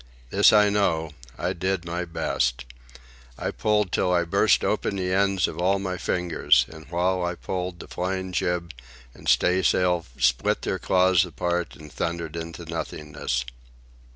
This I know: I did my best. I pulled till I burst open the ends of all my fingers; and while I pulled, the flying jib and staysail split their cloths apart and thundered into nothingness.